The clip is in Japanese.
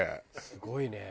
すごいね。